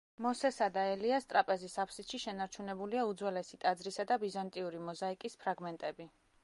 მოსესა და ელიას ტრაპეზის აფსიდში შენარჩუნებულია უძველესი ტაძრისა და ბიზანტიური მოზაიკის ფრაგმენტები.